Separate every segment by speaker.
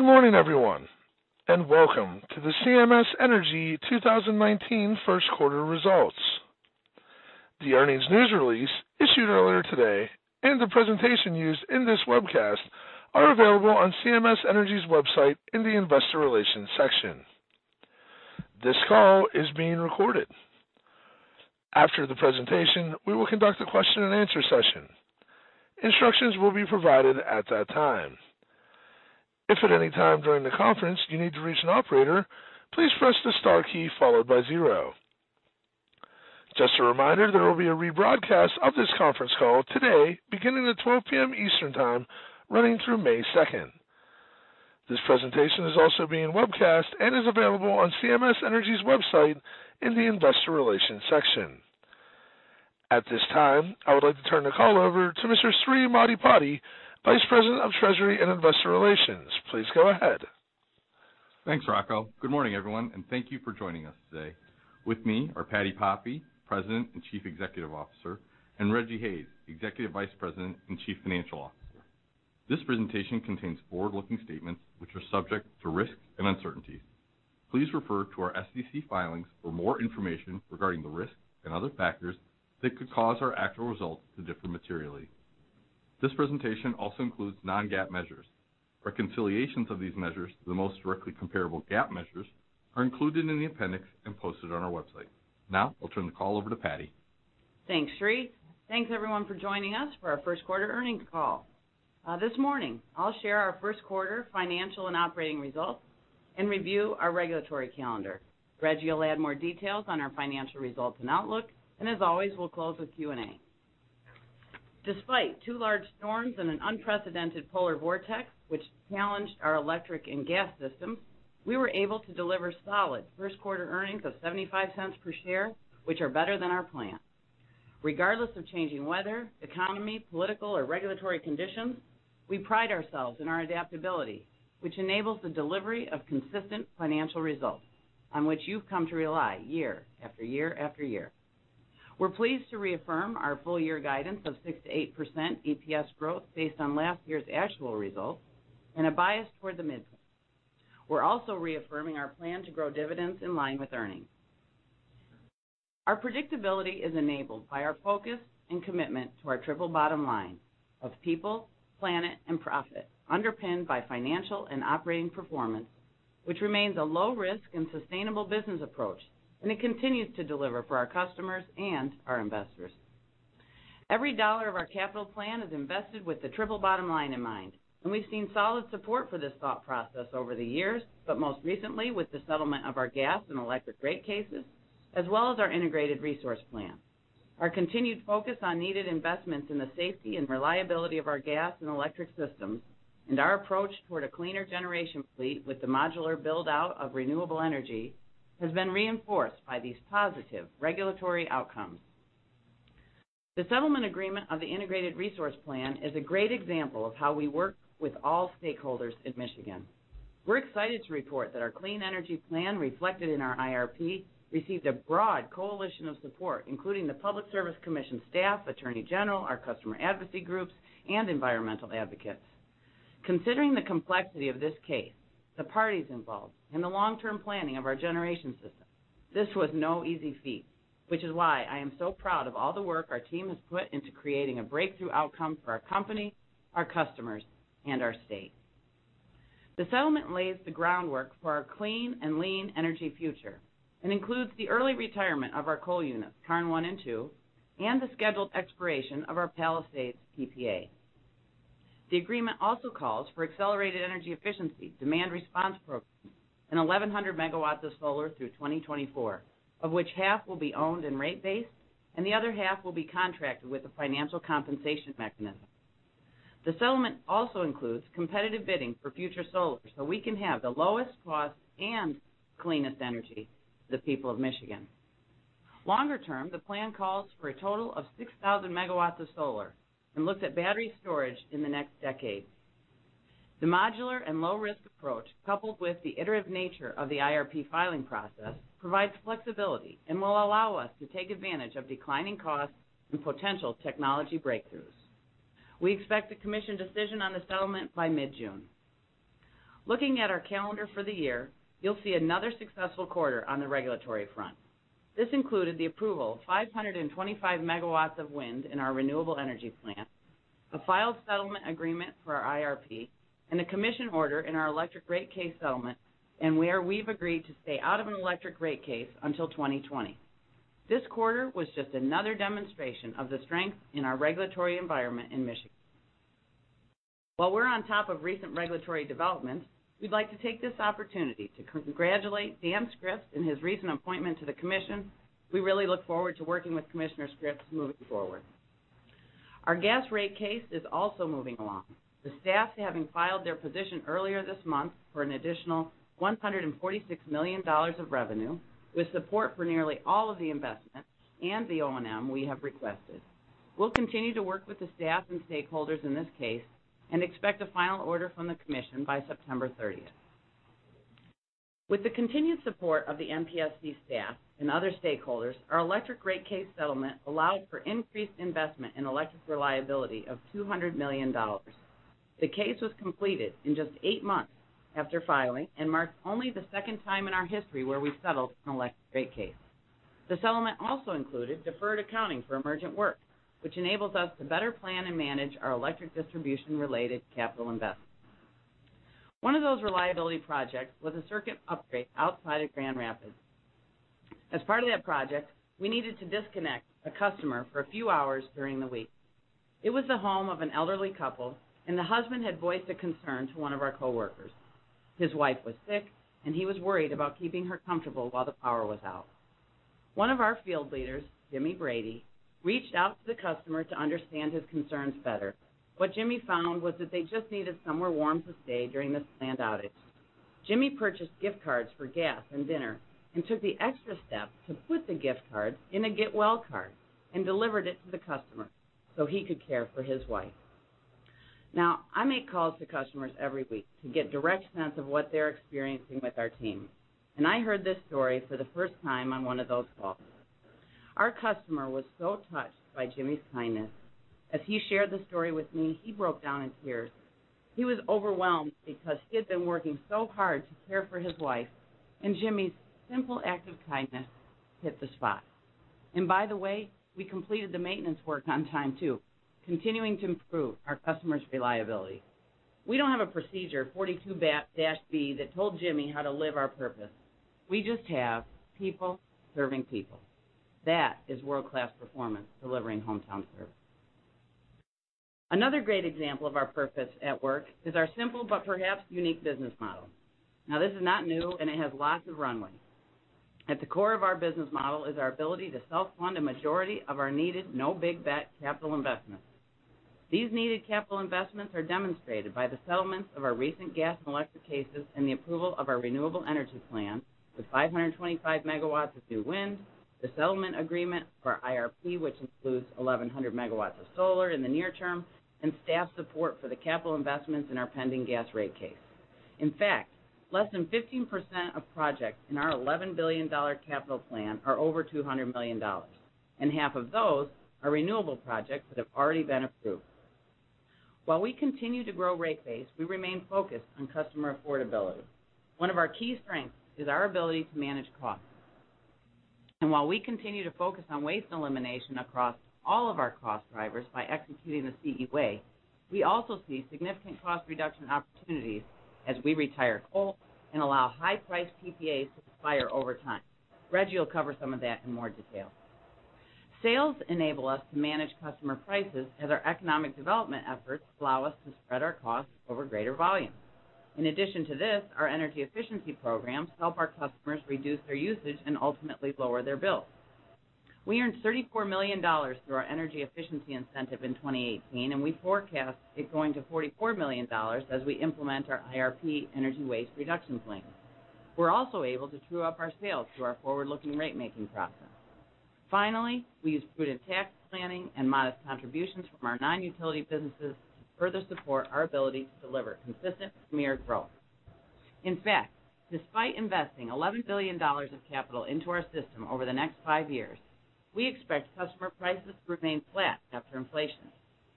Speaker 1: Good morning, everyone, welcome to the CMS Energy 2019 first quarter results. The earnings news release issued earlier today, the presentation used in this webcast are available on CMS Energy's website in the investor relations section. This call is being recorded. After the presentation, we will conduct a question and answer session. Instructions will be provided at that time. If at any time during the conference you need to reach an operator, please press the star key followed by 0. Just a reminder, there will be a rebroadcast of this conference call today beginning at 12:00 P.M. Eastern Time, running through May 2nd. This presentation is also being webcast and is available on CMS Energy's website in the investor relations section. At this time, I would like to turn the call over to Mr. Sri Maddipati, Vice President of Treasury and Investor Relations. Please go ahead.
Speaker 2: Thanks, Rocco. Good morning, everyone, thank you for joining us today. With me are Patti Poppe, President and Chief Executive Officer, and Rejji Hayes, Executive Vice President and Chief Financial Officer. This presentation contains forward-looking statements which are subject to risks and uncertainties. Please refer to our SEC filings for more information regarding the risks and other factors that could cause our actual results to differ materially. This presentation also includes non-GAAP measures. Reconciliations of these measures to the most directly comparable GAAP measures are included in the appendix and posted on our website. Now, I'll turn the call over to Patti.
Speaker 3: Thanks, Sri. Thanks, everyone for joining us for our first quarter earnings call. This morning, I'll share our first quarter financial and operating results and review our regulatory calendar. Rejji will add more details on our financial results and outlook, as always, we'll close with Q&A. Despite 2 large storms and an unprecedented polar vortex, which challenged our electric and gas systems, we were able to deliver solid first quarter earnings of $0.75 per share, which are better than our plan. Regardless of changing weather, economy, political, or regulatory conditions, we pride ourselves in our adaptability, which enables the delivery of consistent financial results on which you've come to rely year, after year, after year. We're pleased to reaffirm our full-year guidance of 6%-8% EPS growth based on last year's actual results and a bias toward the midpoint. We're also reaffirming our plan to grow dividends in line with earnings. Our predictability is enabled by our focus and commitment to our triple bottom line of people, planet, and profit, underpinned by financial and operating performance, which remains a low risk and sustainable business approach, it continues to deliver for our customers and our investors. Every dollar of our capital plan is invested with the triple bottom line in mind, we've seen solid support for this thought process over the years, but most recently with the settlement of our gas and electric rate cases, as well as our integrated resource plan. Our continued focus on needed investments in the safety and reliability of our gas and electric systems our approach toward a cleaner generation fleet with the modular build-out of renewable energy, has been reinforced by these positive regulatory outcomes. The settlement agreement of the integrated resource plan is a great example of how we work with all stakeholders in Michigan. We're excited to report that our clean energy plan reflected in our IRP, received a broad coalition of support, including the Public Service Commission staff, attorney general, our customer advocacy groups, and environmental advocates. Considering the complexity of this case, the parties involved, and the long-term planning of our generation system, this was no easy feat, which is why I am so proud of all the work our team has put into creating a breakthrough outcome for our company, our customers, and our state. The settlement lays the groundwork for our clean and lean energy future and includes the early retirement of our coal units, Karn 1 and 2, and the scheduled expiration of our Palisades PPA. The agreement also calls for accelerated energy efficiency, demand response programs, and 1,100 megawatts of solar through 2024, of which half will be owned and rate based, and the other half will be contracted with a financial compensation mechanism. The settlement also includes competitive bidding for future solar, so we can have the lowest cost and cleanest energy to the people of Michigan. Longer term, the plan calls for a total of 6,000 megawatts of solar and looks at battery storage in the next decade. The modular and low-risk approach, coupled with the iterative nature of the IRP filing process, provides flexibility and will allow us to take advantage of declining costs and potential technology breakthroughs. We expect a commission decision on the settlement by mid-June. Looking at our calendar for the year, you'll see another successful quarter on the regulatory front. This included the approval of 525 megawatts of wind in our renewable energy plan, a filed settlement agreement for our IRP, and a commission order in our electric rate case settlement, and where we've agreed to stay out of an electric rate case until 2020. This quarter was just another demonstration of the strength in our regulatory environment in Michigan. While we're on top of recent regulatory developments, we'd like to take this opportunity to congratulate Dan Scripps in his recent appointment to the commission. We really look forward to working with Commissioner Scripps moving forward. Our gas rate case is also moving along, the staff having filed their position earlier this month for an additional $146 million of revenue with support for nearly all of the investments and the O&M we have requested. We'll continue to work with the staff and stakeholders in this case and expect a final order from the commission by September 30th. With the continued support of the MPSC staff and other stakeholders, our electric rate case settlement allowed for increased investment in electric reliability of $200 million. The case was completed in just eight months after filing, and marked only the second time in our history where we've settled an electric rate case. The settlement also included deferred accounting for emergent work, which enables us to better plan and manage our electric distribution-related capital investments. One of those reliability projects was a circuit upgrade outside of Grand Rapids. As part of that project, we needed to disconnect a customer for a few hours during the week. It was the home of an elderly couple, and the husband had voiced a concern to one of our coworkers. His wife was sick, and he was worried about keeping her comfortable while the power was out. One of our field leaders, Jimmy Brady, reached out to the customer to understand his concerns better. What Jimmy found was that they just needed somewhere warm to stay during this planned outage. Jimmy purchased gift cards for gas and dinner and took the extra step to put the gift card in a get well card and delivered it to the customer so he could care for his wife. I make calls to customers every week to get direct sense of what they're experiencing with our team, and I heard this story for the first time on one of those calls. Our customer was so touched by Jimmy's kindness. As he shared the story with me, he broke down in tears. He was overwhelmed because he had been working so hard to care for his wife, Jimmy's simple act of kindness hit the spot. By the way, we completed the maintenance work on time too, continuing to improve our customer's reliability. We don't have a procedure 42-B that told Jimmy how to live our purpose. We just have people serving people. That is world-class performance, delivering hometown service. Another great example of our purpose at work is our simple but perhaps unique business model. This is not new, and it has lots of runway. At the core of our business model is our ability to self-fund a majority of our needed no big capex capital investments. These needed capital investments are demonstrated by the settlements of our recent gas and electric cases and the approval of our renewable energy plan with 525 megawatts of new wind, the settlement agreement for our IRP, which includes 1,100 megawatts of solar in the near term, and staff support for the capital investments in our pending gas rate case. In fact, less than 15% of projects in our $11 billion capital plan are over $200 million, and half of those are renewable projects that have already been approved. While we continue to grow rate base, we remain focused on customer affordability. One of our key strengths is our ability to manage costs. While we continue to focus on waste elimination across all of our cost drivers by executing the CE Way, we also see significant cost reduction opportunities as we retire coal and allow high-priced PPAs to expire over time. Reggie will cover some of that in more detail. Sales enable us to manage customer prices as our economic development efforts allow us to spread our costs over greater volume. In addition to this, our energy efficiency programs help our customers reduce their usage and ultimately lower their bills. We earned $34 million through our energy efficiency incentive in 2018, and we forecast it going to $44 million as we implement our IRP energy waste reduction plans. We're also able to true up our sales through our forward-looking rate-making process. Finally, we use prudent tax planning and modest contributions from our non-utility businesses to further support our ability to deliver consistent, premier growth. In fact, despite investing $11 billion of capital into our system over the next 5 years, we expect customer prices to remain flat after inflation.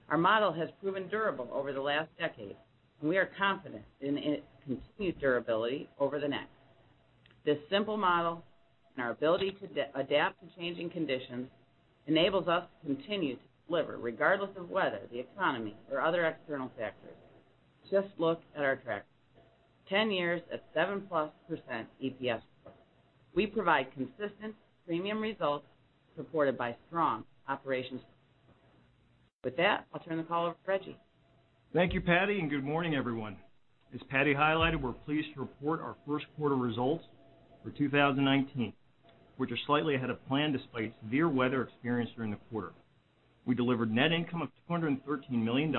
Speaker 3: Our model has proven durable over the last decade. We are confident in its continued durability over the next. This simple model and our ability to adapt to changing conditions enables us to continue to deliver regardless of weather, the economy, or other external factors. Just look at our track record. 10 years at 7%+ EPS growth. We provide consistent premium results supported by strong operations. With that, I'll turn the call over to Rejji.
Speaker 4: Thank you, Patti, and good morning, everyone. As Patti highlighted, we're pleased to report our first quarter results for 2019, which are slightly ahead of plan despite severe weather experienced during the quarter. We delivered net income of $213 million,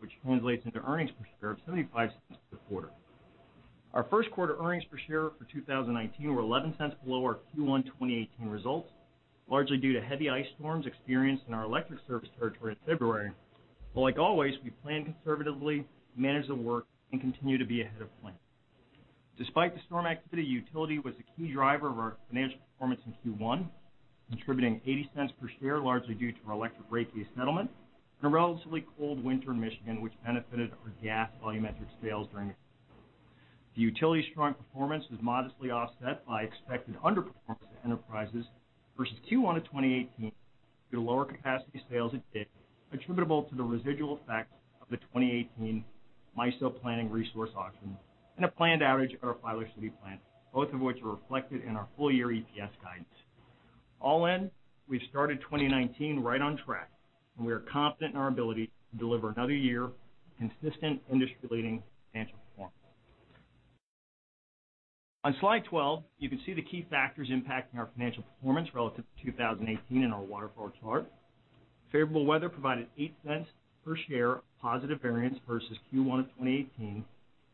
Speaker 4: which translates into earnings per share of $0.75 per quarter. Our first quarter earnings per share for 2019 were $0.11 below our Q1 2018 results, largely due to heavy ice storms experienced in our electric service territory in February. Like always, we plan conservatively, manage the work, and continue to be ahead of plan. Despite the storm activity, utility was a key driver of our financial performance in Q1, contributing $0.80 per share, largely due to our electric rate case settlement and a relatively cold winter in Michigan, which benefited our gas volumetric sales during the quarter. The utility's strong performance was modestly offset by expected underperformance of enterprises versus Q1 of 2018 due to lower capacity sales at DIG, attributable to the residual effects of the 2018 MISO Planning Resource Auction and a planned outage at our Filer City plant, both of which were reflected in our full-year EPS guidance. All in, we've started 2019 right on track, and we are confident in our ability to deliver another year of consistent, industry-leading financial performance. On slide 12, you can see the key factors impacting our financial performance relative to 2018 in our waterfall chart. Favorable weather provided $0.08 per share of positive variance versus Q1 of 2018,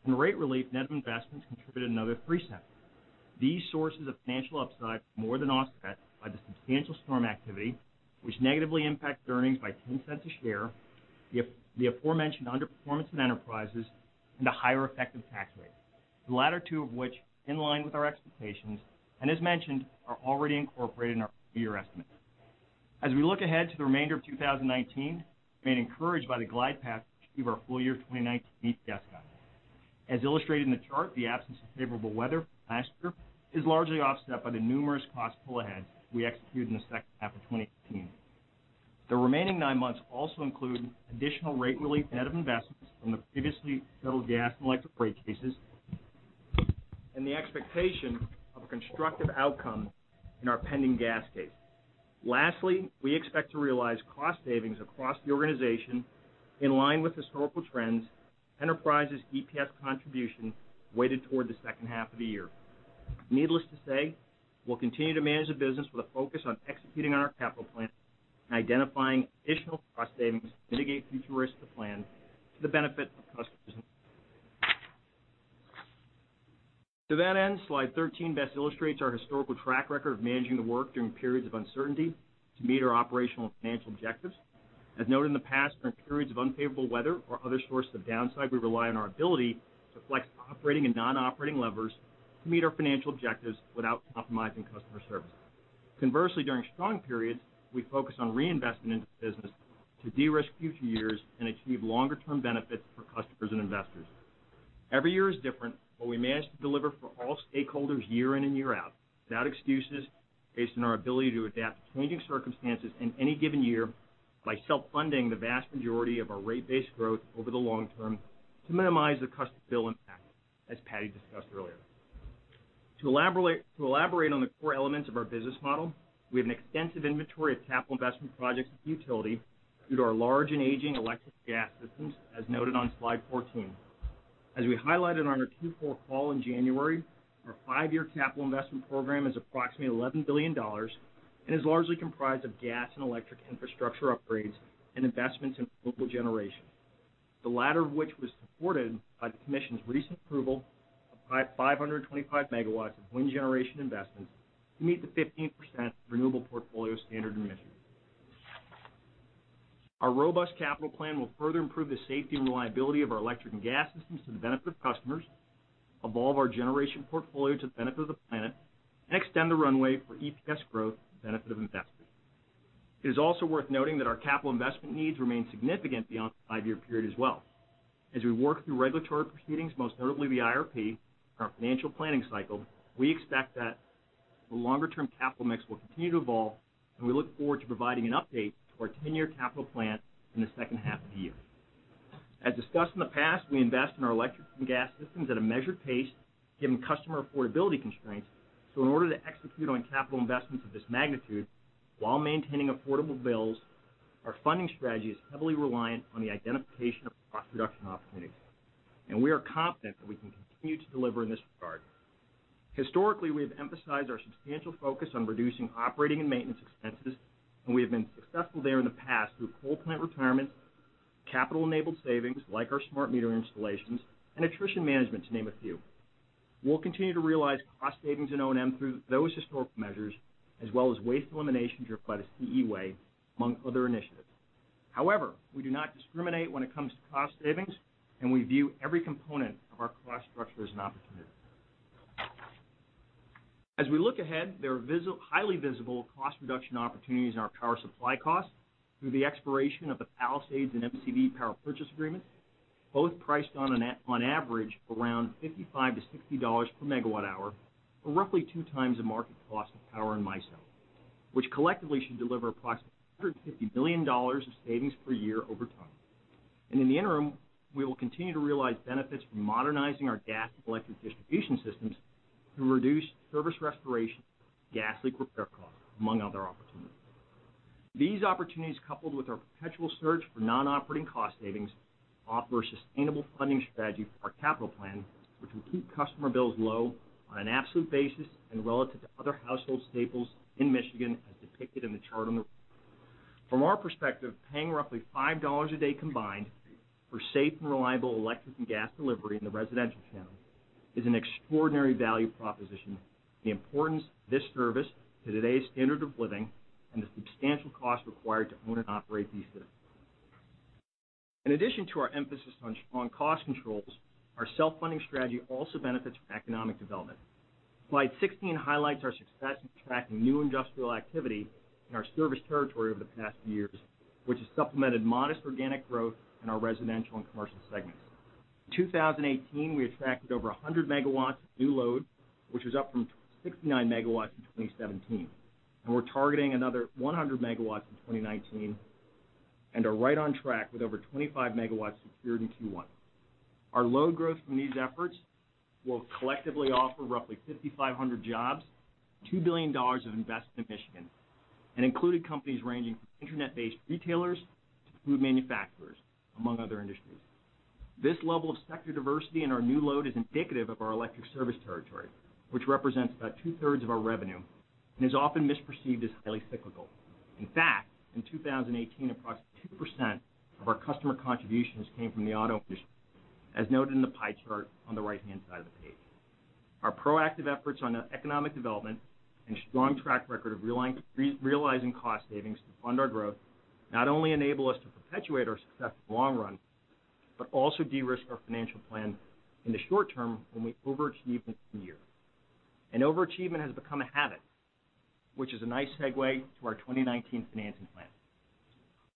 Speaker 4: and rate relief net of investments contributed another $0.03. These sources of financial upside were more than offset by the substantial storm activity, which negatively impacts earnings by $0.10 a share, the aforementioned underperformance in Enterprises, and the higher effective tax rate. The latter two of which, in line with our expectations, and as mentioned, are already incorporated in our full-year estimates. As we look ahead to the remainder of 2019, we remain encouraged by the glide path to achieve our full-year 2019 EPS guidance. As illustrated in the chart, the absence of favorable weather from last year is largely offset by the numerous costs pulled ahead we executed in the second half of 2018. The remaining nine months also include additional rate relief ahead of investments from the previously settled gas and electric rate cases, and the expectation of constructive outcomes in our pending gas case. Lastly, we expect to realize cost savings across the organization in line with historical trends, Enterprise's EPS contribution weighted toward the second half of the year. Needless to say, we'll continue to manage the business with a focus on executing on our capital plan and identifying additional cost savings to mitigate future risks to the plan for the benefit of customers. To that end, slide 13 best illustrates our historical track record of managing the work during periods of uncertainty to meet our operational and financial objectives. As noted in the past, during periods of unfavorable weather or other sources of downside, we rely on our ability to flex operating and non-operating levers to meet our financial objectives without compromising customer service. Conversely, during strong periods, we focus on reinvestment into the business to de-risk future years and achieve longer-term benefits for customers and investors. Every year is different, but we manage to deliver for all stakeholders year in and year out, without excuses, based on our ability to adapt to changing circumstances in any given year by self-funding the vast majority of our rate base growth over the long term to minimize the customer bill impact, as Patti discussed earlier. To elaborate on the core elements of our business model, we have an extensive inventory of capital investment projects at utility due to our large and aging electric gas systems, as noted on slide 14. As we highlighted on our Q4 call in January, our five-year capital investment program is approximately $11 billion and is largely comprised of gas and electric infrastructure upgrades and investments in renewable generation. The latter of which was supported by the commission's recent approval of 525 MW of wind generation investments to meet the 15% renewable portfolio standard in Michigan. Our robust capital plan will further improve the safety and reliability of our electric and gas systems to the benefit of customers, evolve our generation portfolio to the benefit of the planet, and extend the runway for EPS growth to the benefit of investors. It is also worth noting that our capital investment needs remain significant beyond the five-year period as well. As we work through regulatory proceedings, most notably the IRP, our financial planning cycle, we expect that the longer-term capital mix will continue to evolve, and we look forward to providing an update to our 10-year capital plan in the second half of the year. As discussed in the past, we invest in our electric and gas systems at a measured pace, given customer affordability constraints. In order to execute on capital investments of this magnitude while maintaining affordable bills, our funding strategy is heavily reliant on the identification of cost reduction opportunities, and we are confident that we can continue to deliver in this regard. Historically, we have emphasized our substantial focus on reducing operating and maintenance expenses, and we have been successful there in the past through coal plant retirement, capital-enabled savings like our smart meter installations, and attrition management, to name a few. We'll continue to realize cost savings in O&M through those historical measures, as well as waste elimination driven by the CE Way, among other initiatives. However, we do not discriminate when it comes to cost savings, and we view every component of our cost structure as an opportunity. As we look ahead, there are highly visible cost reduction opportunities in our power supply costs through the expiration of the Palisades and MCV power purchase agreements, both priced on average around $55-$60 per megawatt hour, or roughly two times the market cost of power in MISO, which collectively should deliver approximately $150 million of savings per year over time. In the interim, we will continue to realize benefits from modernizing our gas and electric distribution systems to reduce service restoration, gas leak repair costs, among other opportunities. These opportunities, coupled with our perpetual search for non-operating cost savings, offer a sustainable funding strategy for our capital plan, which will keep customer bills low on an absolute basis and relative to other household staples in Michigan, as depicted in the chart on the right. From our perspective, paying roughly $5 a day combined for safe and reliable electric and gas delivery in the residential channel is an extraordinary value proposition, given the importance of this service to today's standard of living and the substantial cost required to own and operate these systems. In addition to our emphasis on strong cost controls, our self-funding strategy also benefits from economic development. Slide 16 highlights our success in attracting new industrial activity in our service territory over the past few years, which has supplemented modest organic growth in our residential and commercial segments. In 2018, we attracted over 100 megawatts of new load, which was up from 69 megawatts in 2017. We're targeting another 100 megawatts in 2019 and are right on track with over 25 megawatts secured in Q1. Our load growth from these efforts will collectively offer roughly 5,500 jobs, $2 billion of investment in Michigan, and included companies ranging from internet-based retailers to food manufacturers, among other industries. This level of sector diversity in our new load is indicative of our electric service territory, which represents about two-thirds of our revenue. And is often misperceived as highly cyclical. In fact, in 2018, approximately 2% of our customer contributions came from the auto industry, as noted in the pie chart on the right-hand side of the page. Our proactive efforts on economic development and strong track record of realizing cost savings to fund our growth not only enable us to perpetuate our success long run, but also de-risk our financial plan in the short term when we overachieve in a year. Overachievement has become a habit, which is a nice segue to our 2019 financing plan.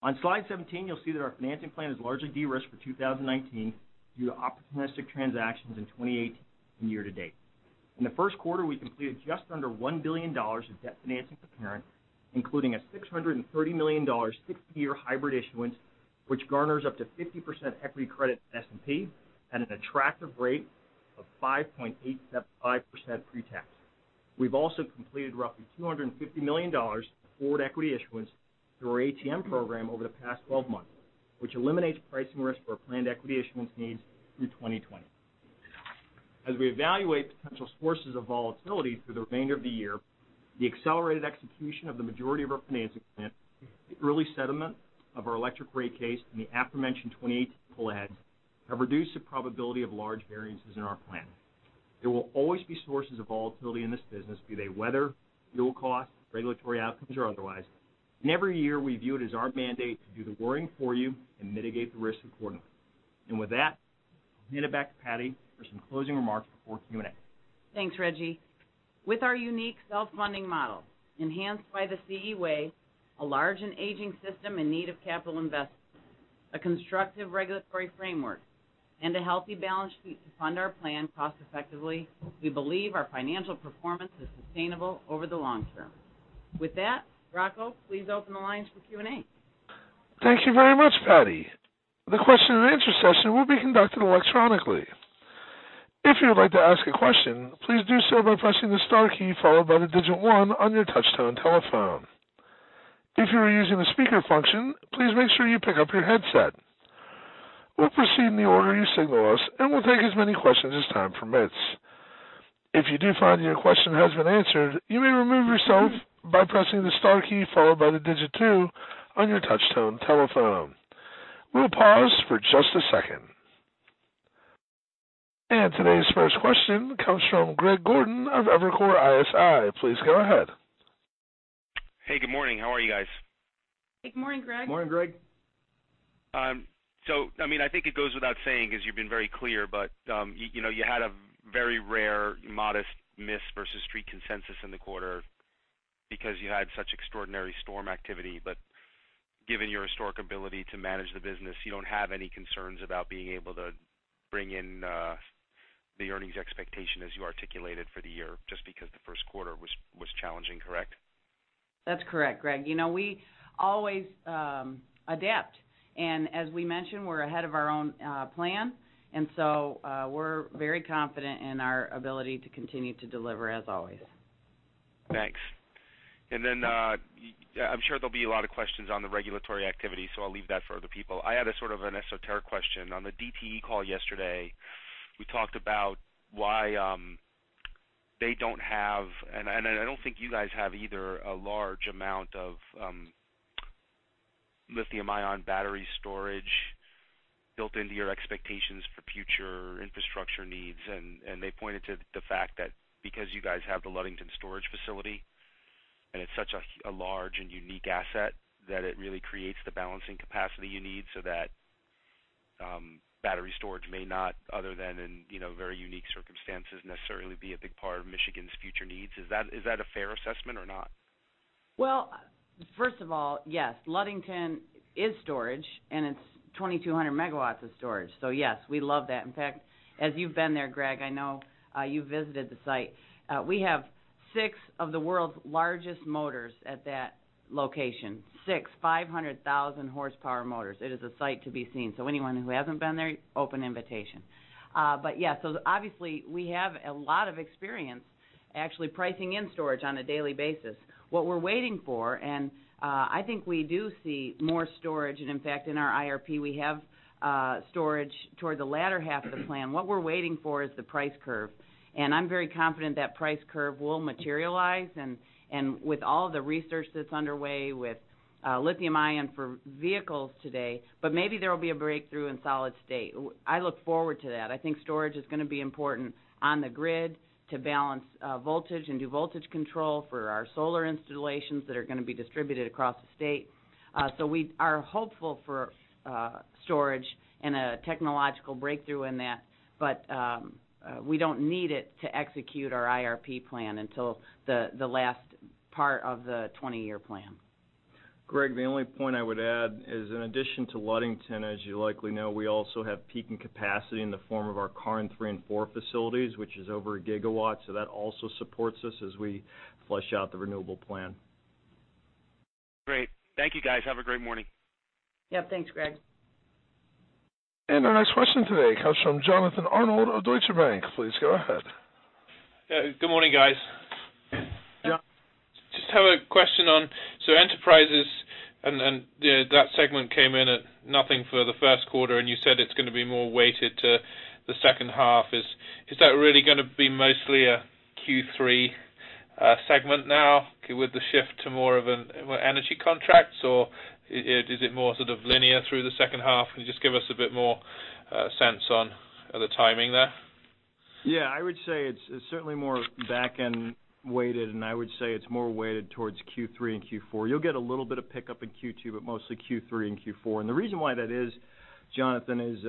Speaker 4: On Slide 17, you'll see that our financing plan is largely de-risked for 2019 due to opportunistic transactions in 2018 and year to date. In the first quarter, we completed just under $1 billion of debt financing for parent, including a $630 million 60-year hybrid issuance, which garners up to 50% equity credit at S&P at an attractive rate of 5.85% pre-tax. We've also completed roughly $250 million of forward equity issuance through our ATM program over the past 12 months, which eliminates pricing risk for our planned equity issuance needs through 2020. As we evaluate potential sources of volatility through the remainder of the year, the accelerated execution of the majority of our financing plan, the early settlement of our electric rate case, and the aforementioned 2018 pull-aheads have reduced the probability of large variances in our plan. There will always be sources of volatility in this business, be they weather, fuel cost, regulatory outcomes, or otherwise. Every year, we view it as our mandate to do the worrying for you and mitigate the risk accordingly. With that, I'll hand it back to Patti for some closing remarks before Q&A.
Speaker 3: Thanks, Rejji. With our unique self-funding model, enhanced by the CE Way, a large and aging system in need of capital investment, a constructive regulatory framework, and a healthy balance sheet to fund our plan cost effectively, we believe our financial performance is sustainable over the long term. With that, Rocco, please open the lines for Q&A.
Speaker 1: Thank you very much, Patti. The question and answer session will be conducted electronically. If you would like to ask a question, please do so by pressing the star key followed by the digit 1 on your touch-tone telephone. If you are using the speaker function, please make sure you pick up your headset. We'll proceed in the order you signal us, and we'll take as many questions as time permits. If you do find your question has been answered, you may remove yourself by pressing the star key followed by the digit 2 on your touch-tone telephone. We'll pause for just a second. Today's first question comes from Greg Gordon of Evercore ISI. Please go ahead.
Speaker 5: Hey, good morning. How are you guys?
Speaker 3: Good morning, Greg.
Speaker 4: Morning, Greg.
Speaker 5: I think it goes without saying, as you've been very clear, you had a very rare, modest miss versus street consensus in the quarter because you had such extraordinary storm activity. Given your historic ability to manage the business, you don't have any concerns about being able to bring in the earnings expectation as you articulated for the year, just because the first quarter was challenging, correct?
Speaker 3: That's correct, Greg. We always adapt, and as we mentioned, we're ahead of our own plan, and so we're very confident in our ability to continue to deliver as always.
Speaker 5: Thanks. Then, I'm sure there'll be a lot of questions on the regulatory activity, so I'll leave that for other people. I had a sort of an esoteric question. On the DTE call yesterday, we talked about why they don't have, and I don't think you guys have either, a large amount of lithium-ion battery storage built into your expectations for future infrastructure needs. They pointed to the fact that because you guys have the Ludington storage facility, and it's such a large and unique asset, that it really creates the balancing capacity you need so that battery storage may not, other than in very unique circumstances, necessarily be a big part of Michigan's future needs. Is that a fair assessment or not?
Speaker 3: Well, first of all, yes, Ludington is storage, and it's 2,200 megawatts of storage. Yes, we love that. In fact, as you've been there, Greg, I know you visited the site. We have six of the world's largest motors at that location. Six 500,000-horsepower motors. It is a sight to be seen. Anyone who hasn't been there, open invitation. Obviously, we have a lot of experience actually pricing in storage on a daily basis. What we're waiting for, I think we do see more storage, and in fact, in our IRP, we have storage toward the latter half of the plan. What we're waiting for is the price curve. I'm very confident that price curve will materialize, and with all the research that's underway with lithium ion for vehicles today. Maybe there will be a breakthrough in solid state. I look forward to that. I think storage is going to be important on the grid to balance voltage and do voltage control for our solar installations that are going to be distributed across the state. We are hopeful for storage and a technological breakthrough in that, we don't need it to execute our IRP plan until the last part of the 20-year plan.
Speaker 4: Greg, the only point I would add is in addition to Ludington, as you likely know, we also have peaking capacity in the form of our Karn 3 and 4 facilities, which is over a gigawatt. That also supports us as we flesh out the renewable plan.
Speaker 5: Great. Thank you, guys. Have a great morning.
Speaker 3: Yep. Thanks, Greg.
Speaker 1: Our next question today comes from Jonathan Arnold of Deutsche Bank. Please go ahead.
Speaker 6: Good morning, guys.
Speaker 4: Yeah.
Speaker 6: Just have a question on Enterprises. That segment came in at nothing for the first quarter. You said, is that really going to be mostly a Q3 segment now with the shift to more of an energy contract, or is it more linear through the second half? Can you just give us a bit more sense on the timing there?
Speaker 4: Yeah, I would say it's certainly more back-end weighted, and I would say it's more weighted towards Q3 and Q4. You'll get a little bit of pickup in Q2, but mostly Q3 and Q4. The reason why that is, Jonathan, is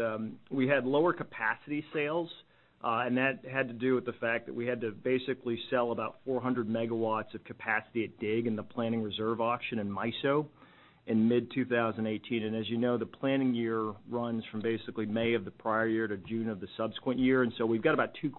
Speaker 4: we had lower capacity sales, and that had to do with the fact that we had to basically sell about 400 megawatts of capacity at DIG in the MISO Planning Resource Auction in mid-2018. As you know, the planning year runs from basically May of the prior year to June of the subsequent year. So we've got about two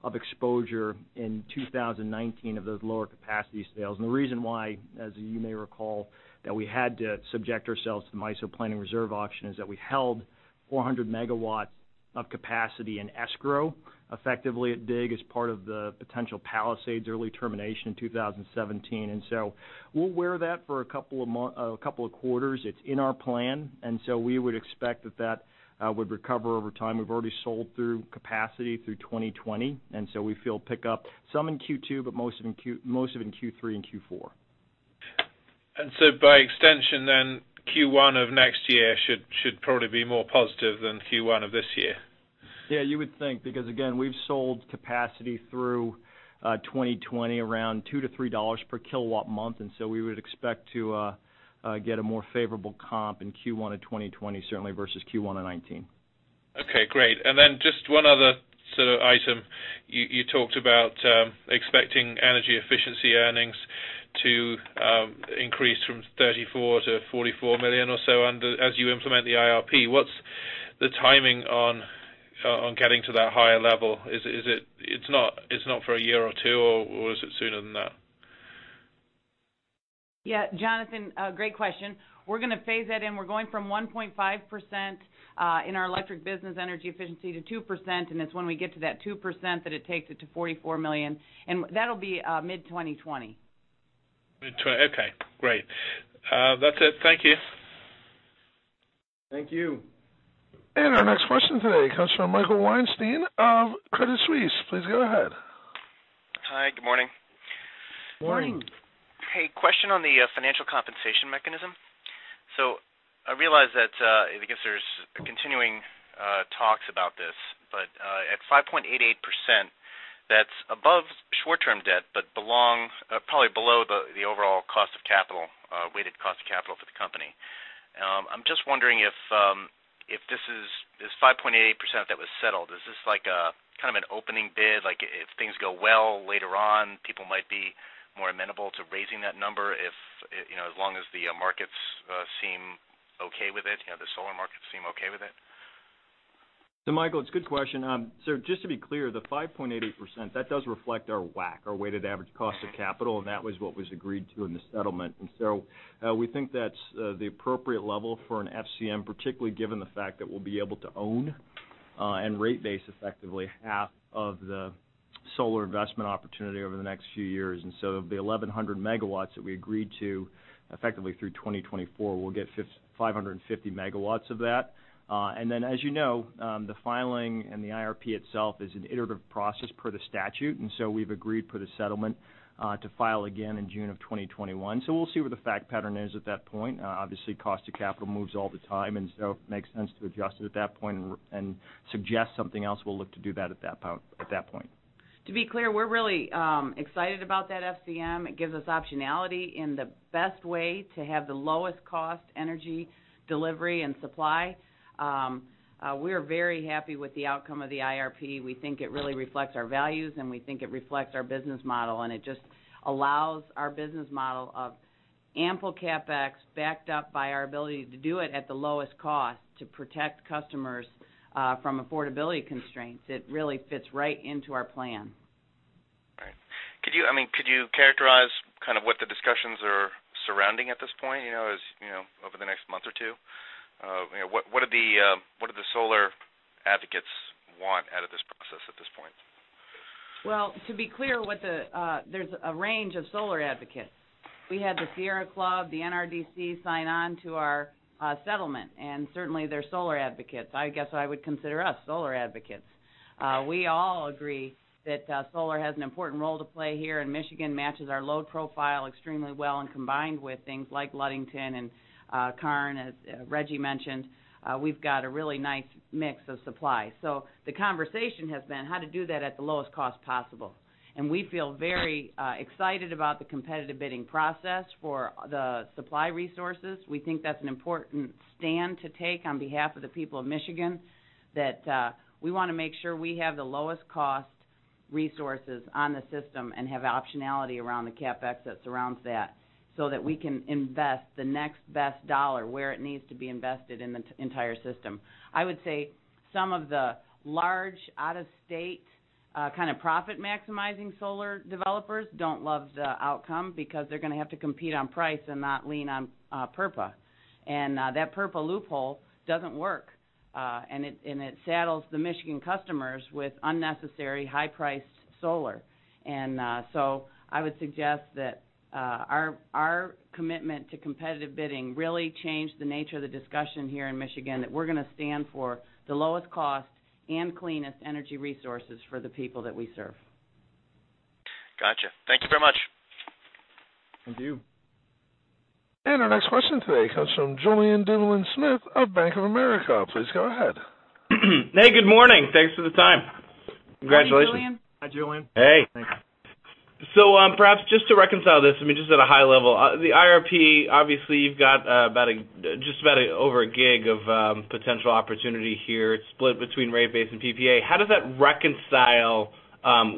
Speaker 4: quarters of exposure in 2019 of those lower capacity sales. The reason why, as you may recall, that we had to subject ourselves to the MISO Planning Resource Auction is that we held 400 megawatts of capacity in escrow, effectively at DIG as part of the potential Palisades early termination in 2017. We'll wear that for a couple of quarters. It's in our plan, and so we would expect that would recover over time. We've already sold through capacity through 2020, and so we feel pick up some in Q2, but most of it in Q3 and Q4.
Speaker 6: By extension then, Q1 of next year should probably be more positive than Q1 of this year.
Speaker 4: You would think because, again, we've sold capacity through 2020 around $2-$3 per kilowatt month, we would expect to get a more favorable comp in Q1 of 2020 certainly versus Q1 of 2019.
Speaker 6: Okay, great. Just one other item. You talked about expecting energy efficiency earnings to increase from $34 million to $44 million or so as you implement the IRP. What's the timing on getting to that higher level? It's not for a year or two, is it sooner than that?
Speaker 3: Jonathan, great question. We're going to phase that in. We're going from 1.5% in our electric business energy efficiency to 2%, it's when we get to that 2% that it takes it to $44 million. That'll be mid-2020.
Speaker 6: Mid-2020. Okay, great. That's it. Thank you.
Speaker 4: Thank you.
Speaker 1: Our next question today comes from Michael Weinstein of Credit Suisse. Please go ahead.
Speaker 7: Hi, good morning.
Speaker 4: Morning.
Speaker 7: Hey, question on the financial compensation mechanism. I realize that, I guess there's continuing talks about this. At 5.88%, that's above short-term debt, but probably below the overall weighted cost of capital for the company. I'm just wondering if this 5.88% that was settled, is this an opening bid? If things go well, later on, people might be more amenable to raising that number as long as the markets seem okay with it, the solar markets seem okay with it?
Speaker 4: Michael, it's a good question. Just to be clear, the 5.88%, that does reflect our WACC, our weighted average cost of capital, and that was what was agreed to in the settlement. We think that's the appropriate level for an FCM, particularly given the fact that we'll be able to own and rate base effectively half of the solar investment opportunity over the next few years. Of the 1,100 megawatts that we agreed to effectively through 2024, we'll get 550 megawatts of that. As you know, the filing and the IRP itself is an iterative process per the statute, and we've agreed per the settlement to file again in June of 2021. We'll see what the fact pattern is at that point. Obviously, cost of capital moves all the time, if it makes sense to adjust it at that point and suggest something else, we'll look to do that at that point.
Speaker 3: To be clear, we're really excited about that FCM. It gives us optionality in the best way to have the lowest cost energy delivery and supply. We're very happy with the outcome of the IRP. We think it really reflects our values, we think it reflects our business model, it just allows our business model of ample CapEx backed up by our ability to do it at the lowest cost to protect customers from affordability constraints. It really fits right into our plan.
Speaker 7: Right. Could you characterize what the discussions are surrounding at this point as over the next month or two? What do the solar advocates want out of this process at this point?
Speaker 3: To be clear, there's a range of solar advocates. We had the Sierra Club, the NRDC sign on to our settlement, and certainly they're solar advocates. I guess I would consider us solar advocates. We all agree that solar has an important role to play here, and Michigan matches our load profile extremely well. Combined with things like Ludington and Karn, as Reggie mentioned, we've got a really nice mix of supply. The conversation has been how to do that at the lowest cost possible. We feel very excited about the competitive bidding process for the supply resources. We think that's an important stand to take on behalf of the people of Michigan, that we want to make sure we have the lowest cost resources on the system and have optionality around the CapEx that surrounds that so that we can invest the next best dollar where it needs to be invested in the entire system. I would say some of the large, out-of-state profit-maximizing solar developers don't love the outcome because they're going to have to compete on price and not lean on PURPA. That PURPA loophole doesn't work. It saddles the Michigan customers with unnecessary high-priced solar. I would suggest that our commitment to competitive bidding really changed the nature of the discussion here in Michigan, that we're going to stand for the lowest cost and cleanest energy resources for the people that we serve.
Speaker 7: Gotcha. Thank you very much.
Speaker 3: Thank you.
Speaker 1: Our next question today comes from Julien Dumoulin-Smith of Bank of America. Please go ahead.
Speaker 8: Hey, good morning. Thanks for the time. Congratulations.
Speaker 3: Hi, Julien.
Speaker 4: Hi, Julien.
Speaker 8: Hey.
Speaker 4: Thanks.
Speaker 8: Perhaps just to reconcile this, just at a high level, the IRP, obviously you've got just about over a gig of potential opportunity here. It's split between rate base and PPA. How does that reconcile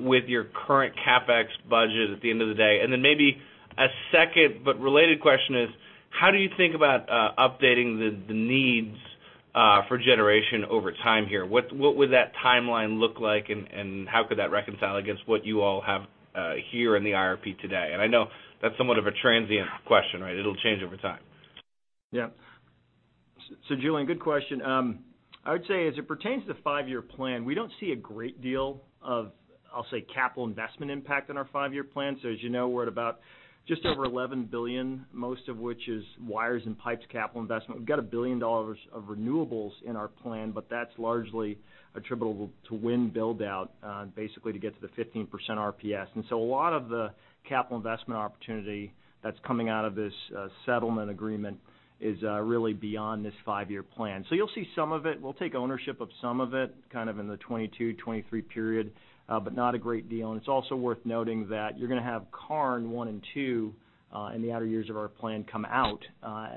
Speaker 8: with your current CapEx budget at the end of the day? Then maybe a second but related question is how do you think about updating the needs for generation over time here? What would that timeline look like and how could that reconcile against what you all have here in the IRP today? I know that's somewhat of a transient question, right? It'll change over time.
Speaker 4: Yeah. Julien, good question. I would say as it pertains to the five-year plan, we don't see a great deal of, I'll say, capital investment impact on our five-year plan. As you know, we're at about just over $11 billion, most of which is wires and pipes capital investment. We've got $1 billion of renewables in our plan, but that's largely attributable to wind build-out, basically to get to the 15% RPS. So a lot of the capital investment opportunity that's coming out of this settlement agreement is really beyond this five-year plan. You'll see some of it. We'll take ownership of some of it, kind of in the 2022, 2023 period, but not a great deal. It's also worth noting that you're going to have Karn 1 and 2 in the outer years of our plan come out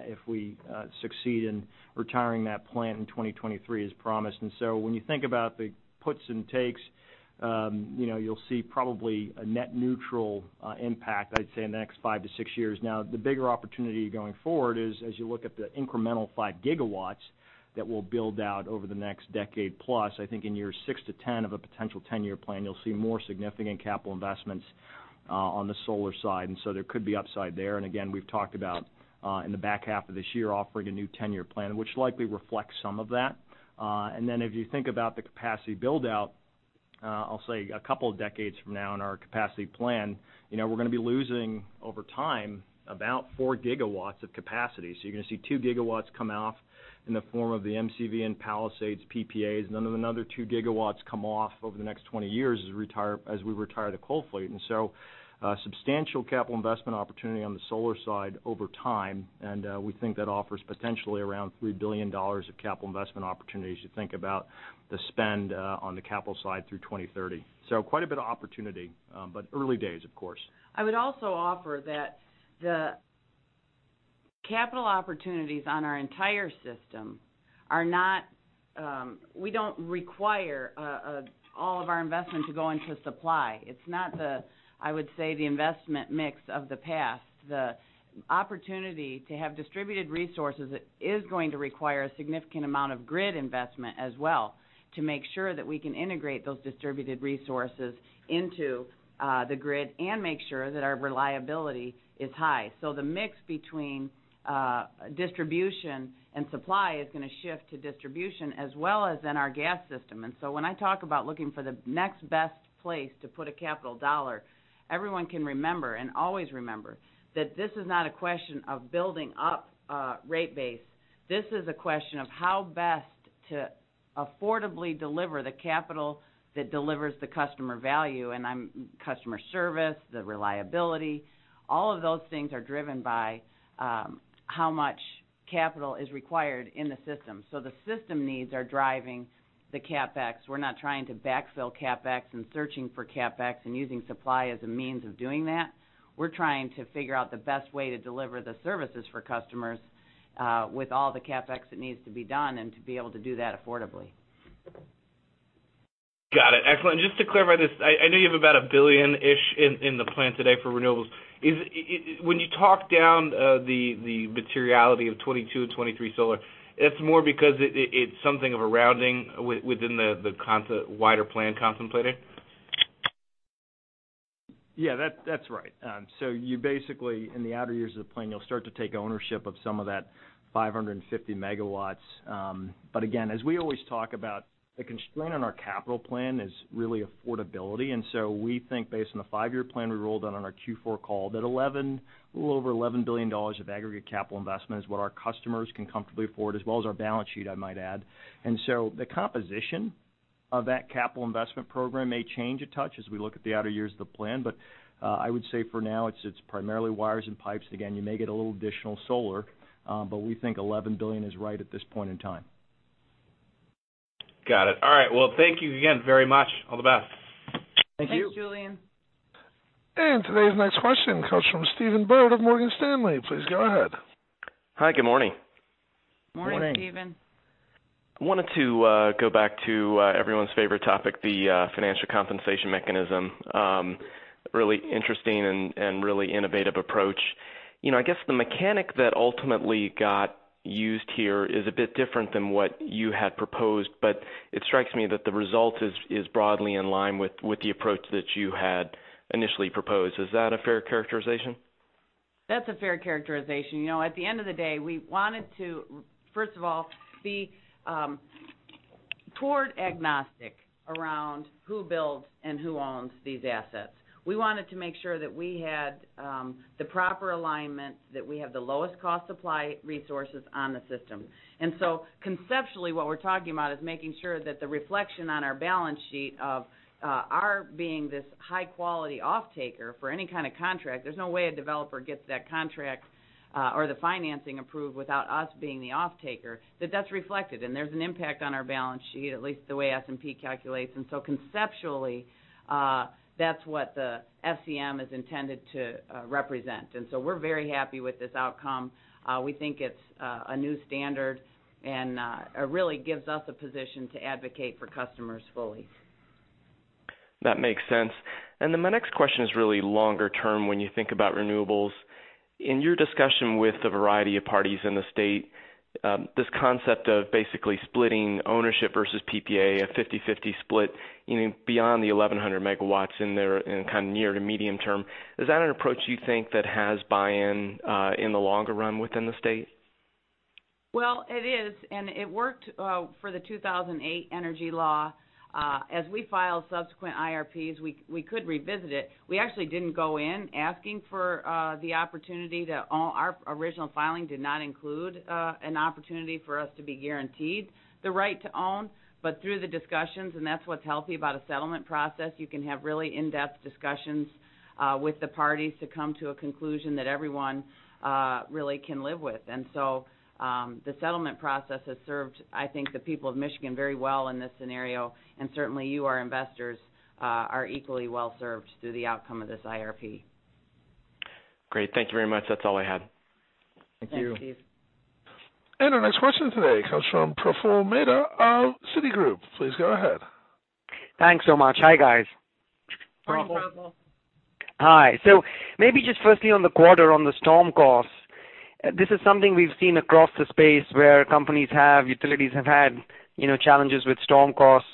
Speaker 4: if we succeed in retiring that plant in 2023 as promised. So when you think about the puts and takes, you'll see probably a net neutral impact, I'd say in the next 5 to 6 years. Now, the bigger opportunity going forward is as you look at the incremental 5 GW that we'll build out over the next decade plus, I think in years 6 to 10 of a potential 10-year plan, you'll see more significant capital investments on the solar side. So there could be upside there. Again, we've talked about in the back half of this year offering a new 10-year plan, which likely reflects some of that. Then if you think about the capacity build-out, I'll say a couple of decades from now in our capacity plan, we're going to be losing over time about 4 GW of capacity. You're going to see 2 GW come off in the form of the MCV and Palisades PPAs. Then another 2 GW come off over the next 20 years as we retire the coal fleet. So a substantial capital investment opportunity on the solar side over time. We think that offers potentially around $3 billion of capital investment opportunities as you think about the spend on the capital side through 2030. Quite a bit of opportunity, but early days of course.
Speaker 3: I would also offer that the capital opportunities on our entire system, we don't require all of our investment to go into supply. It's not the investment mix of the past. The opportunity to have distributed resources is going to require a significant amount of grid investment as well to make sure that we can integrate those distributed resources into the grid and make sure that our reliability is high. The mix between distribution and supply is going to shift to distribution as well as in our gas system. When I talk about looking for the next best place to put a capital dollar, everyone can remember and always remember that this is not a question of building up a rate base. This is a question of how best to affordably deliver the capital that delivers the customer value, and customer service, the reliability, all of those things are driven by how much capital is required in the system. The system needs are driving the CapEx. We're not trying to backfill CapEx and searching for CapEx and using supply as a means of doing that. We're trying to figure out the best way to deliver the services for customers with all the CapEx that needs to be done and to be able to do that affordably.
Speaker 8: Got it. Excellent. Just to clarify this, I know you have about a billion-ish in the plan today for renewables. When you talk down the materiality of 2022, 2023 solar, it's more because it's something of a rounding within the wider plan contemplated?
Speaker 4: Yeah, that's right. You basically, in the outer years of the plan, you'll start to take ownership of some of that 550 megawatts. Again, as we always talk about, the constraint on our capital plan is really affordability. We think based on the five-year plan we rolled out on our Q4 call, that a little over $11 billion of aggregate capital investment is what our customers can comfortably afford as well as our balance sheet, I might add. The composition of that capital investment program may change a touch as we look at the outer years of the plan. I would say for now, it's primarily wires and pipes. Again, you may get a little additional solar, but we think $11 billion is right at this point in time.
Speaker 8: Got it. All right. Well, thank you again very much. All the best.
Speaker 4: Thank you.
Speaker 3: Thanks, Julien.
Speaker 1: Today's next question comes from Stephen Byrd of Morgan Stanley. Please go ahead.
Speaker 9: Hi, good morning.
Speaker 3: Morning, Stephen.
Speaker 4: Morning.
Speaker 9: I wanted to go back to everyone's favorite topic, the financial compensation mechanism. Really interesting and really innovative approach. I guess the mechanic that ultimately got used here is a bit different than what you had proposed, but it strikes me that the result is broadly in line with the approach that you had initially proposed. Is that a fair characterization?
Speaker 3: That's a fair characterization. At the end of the day, we wanted to, first of all, be agnostic around who builds and who owns these assets. We wanted to make sure that we had the proper alignment, that we have the lowest cost supply resources on the system. Conceptually, what we're talking about is making sure that the reflection on our balance sheet of our being this high-quality off-taker for any kind of contract, there's no way a developer gets that contract or the financing approved without us being the off-taker. That's reflected, and there's an impact on our balance sheet, at least the way S&P calculates. Conceptually, that's what the SEM is intended to represent. We're very happy with this outcome. We think it's a new standard and really gives us a position to advocate for customers fully.
Speaker 9: That makes sense. My next question is really longer term when you think about renewables. In your discussion with the variety of parties in the state, this concept of basically splitting ownership versus PPA, a 50/50 split beyond the 1,100 megawatts in there and kind of near to medium term, is that an approach you think that has buy-in in the longer run within the state?
Speaker 3: Well, it is, it worked for the 2008 energy law. As we file subsequent IRPs, we could revisit it. We actually didn't go in asking for the opportunity to own. Our original filing did not include an opportunity for us to be guaranteed the right to own. Through the discussions, that's what's healthy about a settlement process, you can have really in-depth discussions with the parties to come to a conclusion that everyone really can live with. The settlement process has served, I think, the people of Michigan very well in this scenario, and certainly you, our investors, are equally well-served through the outcome of this IRP.
Speaker 9: Great. Thank you very much. That's all I had.
Speaker 4: Thank you.
Speaker 3: Thanks, Keith.
Speaker 1: Our next question today comes from Praful Mehta of Citigroup. Please go ahead.
Speaker 10: Thanks so much. Hi, guys.
Speaker 3: Hi, Praful.
Speaker 10: Hi. Maybe just firstly on the quarter on the storm costs, this is something we've seen across the space where utilities have had challenges with storm costs.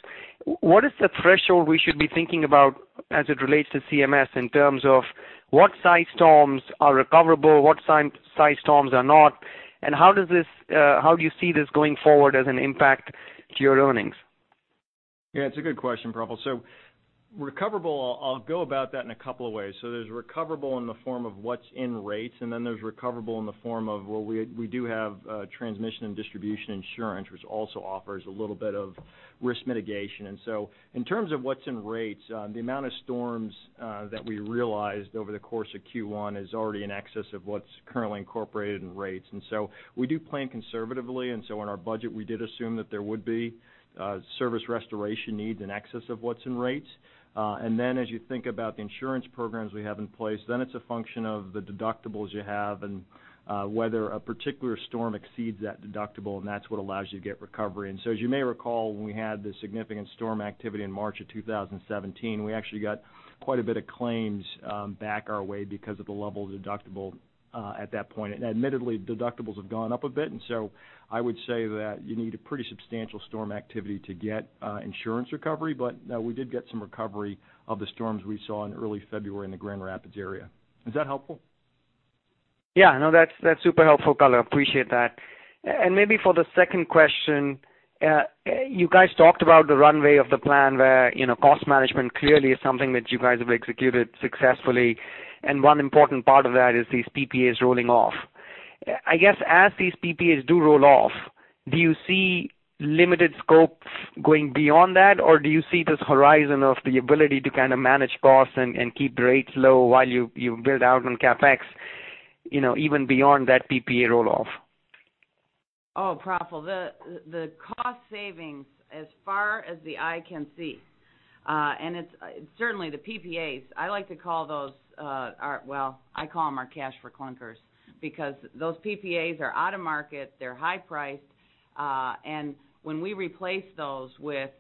Speaker 10: What is the threshold we should be thinking about as it relates to CMS in terms of what size storms are recoverable, what size storms are not, and how do you see this going forward as an impact to your earnings?
Speaker 4: It's a good question, Praful. Recoverable, I'll go about that in a couple of ways. There's recoverable in the form of what's in rates, there's recoverable in the form of we do have transmission and distribution insurance, which also offers a little bit of risk mitigation. In terms of what's in rates, the amount of storms that we realized over the course of Q1 is already in excess of what's currently incorporated in rates. We do plan conservatively, in our budget, we did assume that there would be service restoration needs in excess of what's in rates. As you think about the insurance programs we have in place, it's a function of the deductibles you have and whether a particular storm exceeds that deductible, that's what allows you to get recovery. As you may recall, when we had the significant storm activity in March of 2017, we actually got quite a bit of claims back our way because of the level of deductible at that point. Admittedly, deductibles have gone up a bit, I would say that you need a pretty substantial storm activity to get insurance recovery. We did get some recovery of the storms we saw in early February in the Grand Rapids area. Is that helpful?
Speaker 10: That's super helpful, collor. Appreciate that. Maybe for the second question, you guys talked about the runway of the plan where cost management clearly is something that you guys have executed successfully, and one important part of that is these PPAs rolling off. I guess as these PPAs do roll off, do you see limited scopes going beyond that, or do you see this horizon of the ability to kind of manage costs and keep rates low while you build out on CapEx even beyond that PPA roll-off?
Speaker 3: Oh, Praful. The cost savings as far as the eye can see. It's certainly the PPAs, I like to call those our, well, I call them our cash for clunkers because those PPAs are out of market. They're high priced. When we replace those with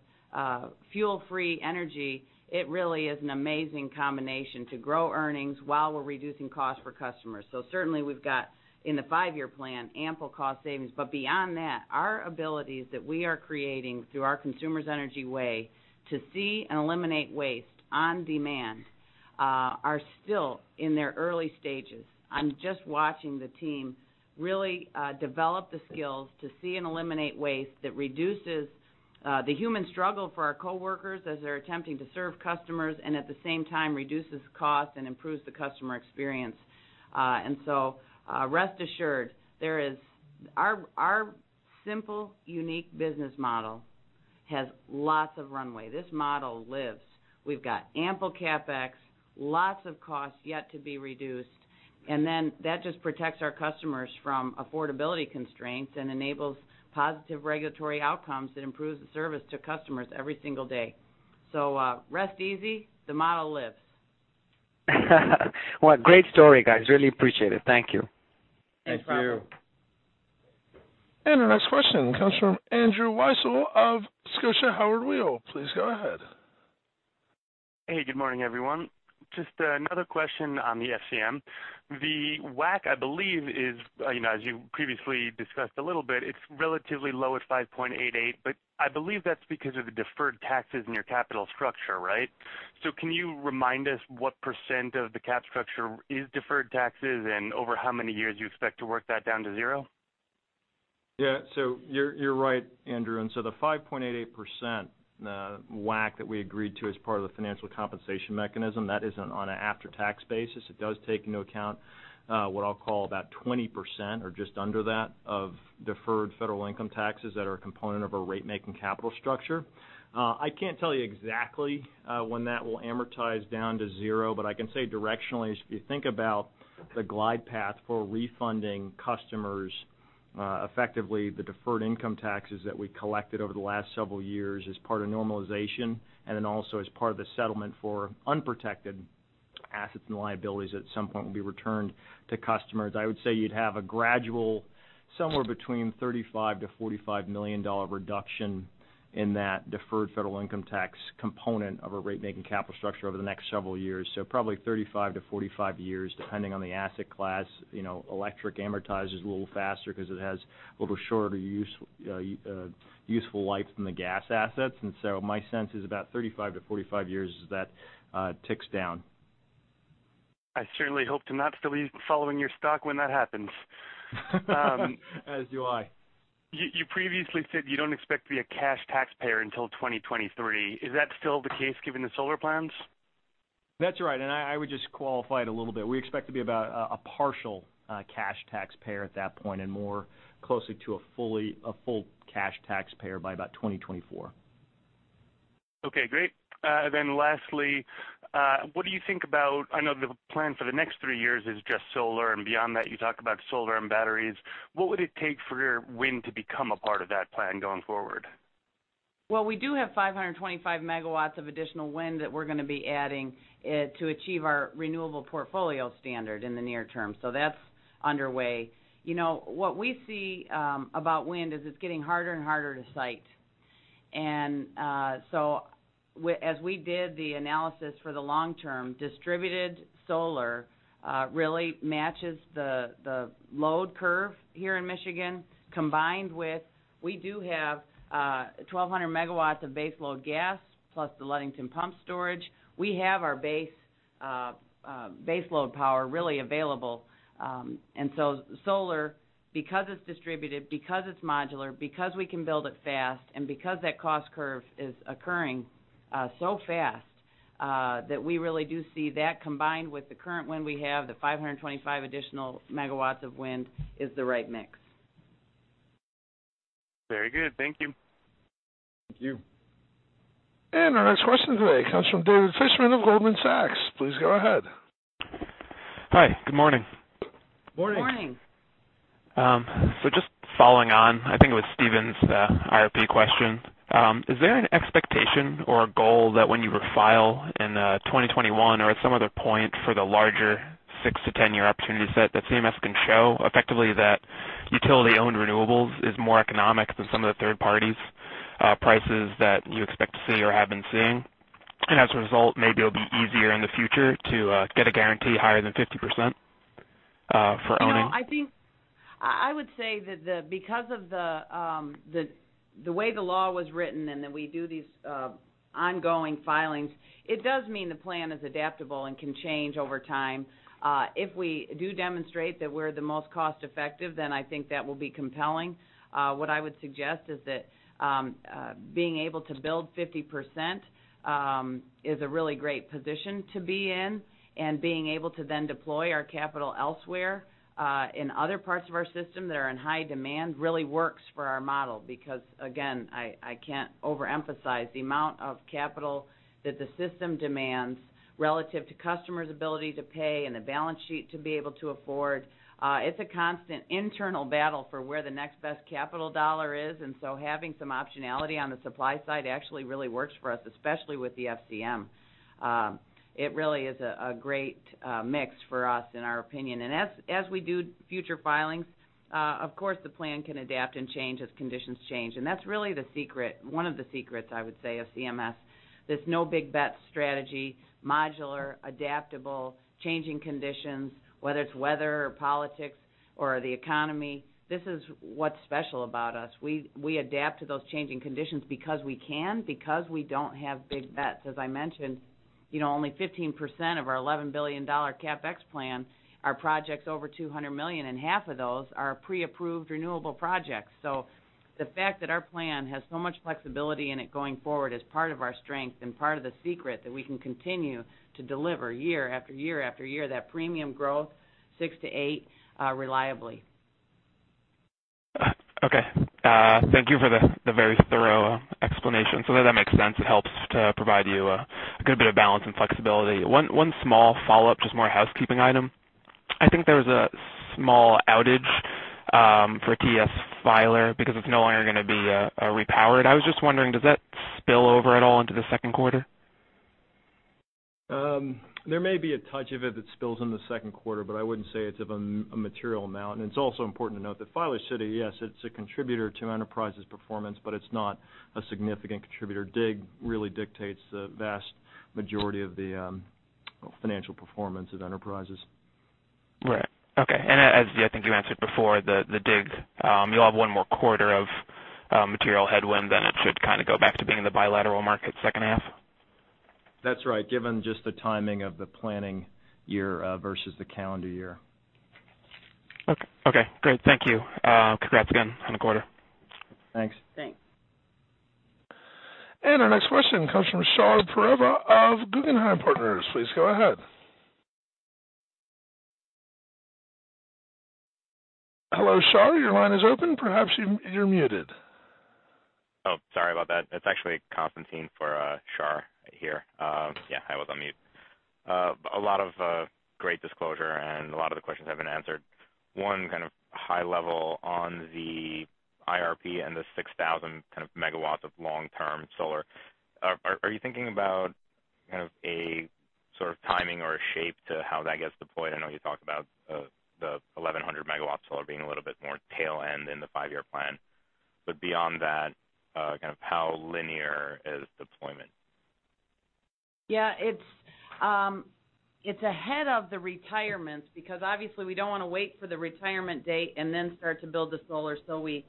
Speaker 3: fuel-free energy, it really is an amazing combination to grow earnings while we're reducing costs for customers. Certainly, we've got, in the five-year plan, ample cost savings. Beyond that, our abilities that we are creating through our Consumers Energy Way to see and eliminate waste on demand are still in their early stages. I'm just watching the team really develop the skills to see and eliminate waste that reduces the human struggle for our coworkers as they're attempting to serve customers, and at the same time reduces cost and improves the customer experience. Rest assured, our simple, unique business model has lots of runway. This model lives. We've got ample CapEx, lots of costs yet to be reduced. That just protects our customers from affordability constraints and enables positive regulatory outcomes that improves the service to customers every single day. Rest easy. The model lives.
Speaker 10: What a great story, guys. Really appreciate it. Thank you.
Speaker 3: Thanks, Praful.
Speaker 4: Thank you.
Speaker 1: Our next question comes from Andrew Weisel of Scotiabank Howard Weil. Please go ahead.
Speaker 11: Hey, good morning, everyone. Just another question on the FCM. The WACC, I believe is, as you previously discussed a little bit, it's relatively low at 5.88%, but I believe that's because of the deferred taxes in your capital structure, right? Can you remind us what % of the cap structure is deferred taxes, and over how many years you expect to work that down to zero?
Speaker 4: Yeah. You're right, Andrew. The 5.88%, the WACC that we agreed to as part of the financial compensation mechanism, that is on an after-tax basis. It does take into account what I'll call about 20% or just under that of deferred federal income taxes that are a component of our rate-making capital structure. I can't tell you exactly when that will amortize down to zero, but I can say directionally, if you think about the glide path for refunding customers effectively, the deferred income taxes that we collected over the last several years as part of normalization, and then also as part of the settlement for unprotected assets and liabilities that at some point will be returned to customers. I would say you'd have a gradual, somewhere between $35 million-$45 million reduction in that deferred federal income tax component of our rate-making capital structure over the next several years. Probably 35-45 years, depending on the asset class. Electric amortizes a little faster because it has a little shorter useful life than the gas assets. My sense is about 35-45 years as that ticks down.
Speaker 11: I certainly hope to not still be following your stock when that happens.
Speaker 4: As do I.
Speaker 11: You previously said you don't expect to be a cash taxpayer until 2023. Is that still the case given the solar plans?
Speaker 4: That's right. I would just qualify it a little bit. We expect to be about a partial cash taxpayer at that point, and more closely to a full cash taxpayer by about 2024.
Speaker 11: Okay, great. Lastly, what do you think about, I know the plan for the next 3 years is just solar, and beyond that, you talk about solar and batteries. What would it take for wind to become a part of that plan going forward?
Speaker 3: Well, we do have 525 megawatts of additional wind that we're going to be adding to achieve our renewable portfolio standard in the near term. That's underway. What we see about wind is it's getting harder and harder to cite. As we did the analysis for the long term, distributed solar really matches the load curve here in Michigan. Combined with, we do have 1,200 megawatts of base load gas plus the Ludington pump storage. We have our base load power really available. Solar, because it's distributed, because it's modular, because we can build it fast, and because that cost curve is occurring so fast, that we really do see that combined with the current wind we have, the 525 additional megawatts of wind is the right mix.
Speaker 11: Very good. Thank you.
Speaker 4: Thank you.
Speaker 1: Our next question today comes from David Fishman of Goldman Sachs. Please go ahead.
Speaker 12: Hi. Good morning.
Speaker 4: Morning.
Speaker 3: Morning.
Speaker 12: Just following on, I think it was Stephen's IRP question. Is there an expectation or a goal that when you refile in 2021 or at some other point for the larger 6-10-year opportunity set, that CMS can show effectively that utility-owned renewables is more economic than some of the third parties' prices that you expect to see or have been seeing? As a result, maybe it'll be easier in the future to get a guarantee higher than 50% for owning?
Speaker 3: I would say that because of the way the law was written and that we do these ongoing filings, it does mean the plan is adaptable and can change over time. If we do demonstrate that we're the most cost-effective, then I think that will be compelling. What I would suggest is that being able to build 50% is a really great position to be in, and being able to then deploy our capital elsewhere in other parts of our system that are in high demand really works for our model. Because, again, I can't overemphasize the amount of capital that the system demands relative to customers' ability to pay and the balance sheet to be able to afford. It's a constant internal battle for where the next best capital dollar is, and so having some optionality on the supply side actually really works for us, especially with the FCM. It really is a great mix for us in our opinion. As we do future filings, of course, the plan can adapt and change as conditions change. That's really one of the secrets, I would say, of CMS. This no big bet strategy, modular, adaptable, changing conditions, whether it's weather or politics or the economy. This is what's special about us. We adapt to those changing conditions because we can, because we don't have big bets. As I mentioned, only 15% of our $11 billion CapEx plan are projects over $200 million, and half of those are pre-approved renewable projects. The fact that our plan has so much flexibility in it going forward is part of our strength and part of the secret that we can continue to deliver year after year after year, that premium growth, six to eight, reliably.
Speaker 12: Okay. Thank you for the very thorough explanation. That makes sense. It helps to provide you a good bit of balance and flexibility. One small follow-up, just more a housekeeping item. I think there was a small outage for TES Filer because it's no longer going to be repowered. I was just wondering, does that spill over at all into the second quarter?
Speaker 4: There may be a touch of it that spills in the second quarter, but I wouldn't say it's of a material amount. It's also important to note that Filer City, yes, it's a contributor to Enterprise's performance, but it's not a significant contributor. DIG really dictates the vast majority of the financial performance of Enterprises.
Speaker 12: Right. Okay. As I think you answered before, the DIG, you'll have one more quarter of material headwind, then it should kind of go back to being in the bilateral market second half?
Speaker 4: That's right, given just the timing of the planning year versus the calendar year.
Speaker 12: Okay, great. Thank you. Congrats again on the quarter.
Speaker 4: Thanks.
Speaker 3: Thanks.
Speaker 1: Our next question comes from Shahriar Pourreza of Guggenheim Partners. Please go ahead. Hello, Shar, your line is open. Perhaps you're muted.
Speaker 13: Sorry about that. It's actually Constantine for Shahriar here. Yeah, I was on mute. A lot of great disclosure and a lot of the questions have been answered. One kind of high level on the IRP and the 6,000 megawatts of long-term solar. Are you thinking about a sort of timing or a shape to how that gets deployed? I know you talked about the 1,100 megawatts solar being a little bit more tail end in the five-year plan. Beyond that, how linear is deployment?
Speaker 3: Yeah. It's ahead of the retirements, because obviously we don't want to wait for the retirement date and then start to build the solar. We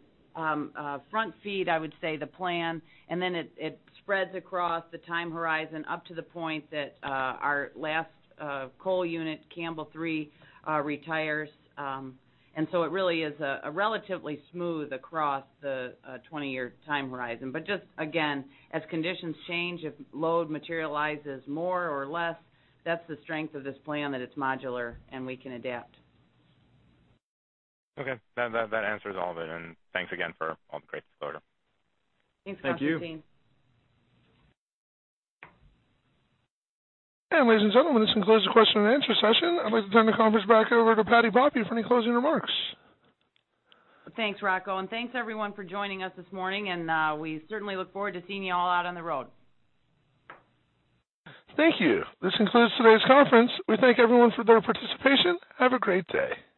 Speaker 3: front feed, I would say, the plan, and then it spreads across the time horizon up to the point that our last coal unit, Campbell 3, retires. It really is relatively smooth across the 20-year time horizon. Just again, as conditions change, if load materializes more or less, that's the strength of this plan, that it's modular and we can adapt.
Speaker 13: Okay. That answers all of it, thanks again for all the great disclosure.
Speaker 3: Thanks, Constantine.
Speaker 1: Thank you. Ladies and gentlemen, this concludes the question and answer session. I'd like to turn the conference back over to Patti Poppe for any closing remarks.
Speaker 3: Thanks, Rocco, and thanks, everyone, for joining us this morning, and we certainly look forward to seeing you all out on the road.
Speaker 1: Thank you. This concludes today's conference. We thank everyone for their participation. Have a great day.